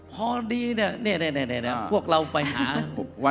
พอดีเนี่ยพวกเราไปหา